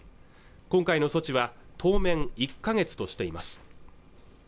今回の措置は当面１ヶ月としています